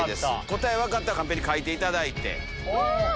答え分かったらカンペに書いていただいて。